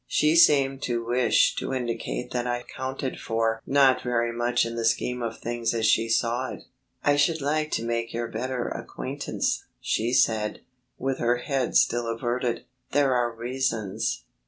She seemed to wish to indicate that I counted for not very much in the scheme of things as she saw it. "I should like to make your better acquaintance," she said, with her head still averted, "there are reasons...."